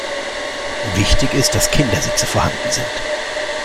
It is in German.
Wichtig ist, dass Kindersitze vorhanden sind.